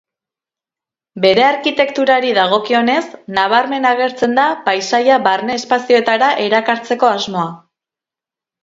Bere arkitekturari dagokionez, nabarmen agertzen da paisaia barne-espazioetara erakartzeko asmoa.